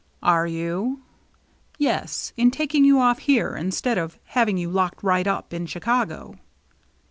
"Are you?" "Yes — in taking you off here instead of having you locked right up in Chicago."